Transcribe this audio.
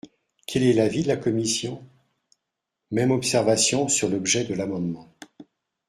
Quel est l’avis de la commission ? Même observation sur l’objet de l’amendement.